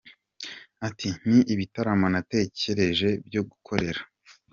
Ati, Ni ibitaramo natekereje byo gukorera.